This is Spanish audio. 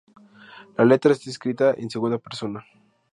La letra está escrita en segunda persona.